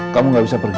kamu gak bisa pergi